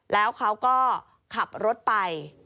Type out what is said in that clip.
แล้วเขาก็ขับรถไป